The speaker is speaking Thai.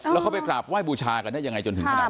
แล้วเขาไปกราบไห้บูชากันได้ยังไงจนถึงขนาด